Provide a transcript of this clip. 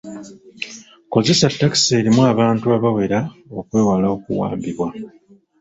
Kozesa ttakisi erimu abantu abawera okwewala okuwambibwa.